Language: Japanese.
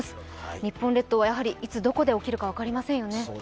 日本列島はやはり、いつどこで起きるか分かりませんよね。